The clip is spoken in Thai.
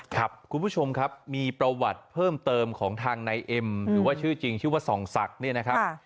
คุณผู้ชมครับมีประวัติเพิ่มเติมของทางนายเอ็มหรือว่าชื่อจริงชื่อว่าส่องศักดิ์เนี่ยนะครับ